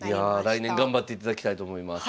来年頑張っていただきたいと思います。